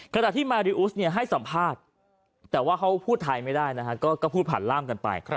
ขณะที่มาริอุสให้สัมภาษณ์แต่ว่าเขาพูดไทยไม่ได้นะฮะก็พูดผ่านร่ามกันไป